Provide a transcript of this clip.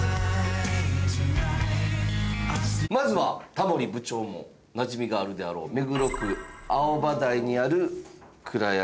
まずはタモリ部長もなじみがあるであろう目黒区青葉台にあるくらやみ坂ですね。